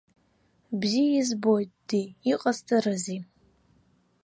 Бзиа избоит, ди, иҟасҵарызеи!